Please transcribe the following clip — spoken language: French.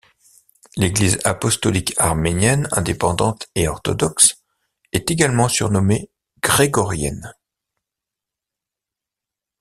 L'Église apostolique arménienne, indépendante et orthodoxe, est également surnommée grégorienne.